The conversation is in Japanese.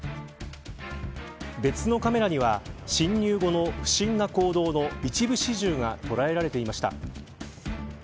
別のカメラには侵入後の不審な行動の一部始終が捉えられていました。